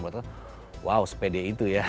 buat aku wow sepede itu ya